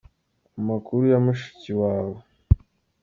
Amakuru ya mushiki wawe.